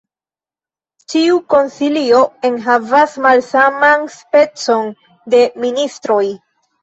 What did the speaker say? Ĉiu konsilio enhavas malsaman specon de ministroj.